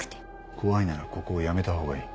怖いならここを辞めた方がいい。